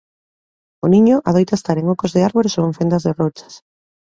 O niño adoita estar en ocos de árbores ou en fendas de rochas.